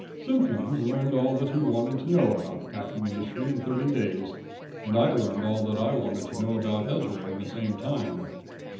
Simpkins learned all that he wanted to know about the packing industry in thirty days, and I learned all that I wanted to know about Ezra in the same time.